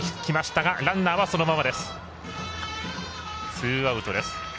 ツーアウトです。